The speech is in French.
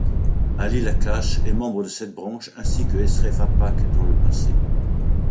Halil Akkaş est membre de cette branche, ainsi que Eşref Apak dans le passé.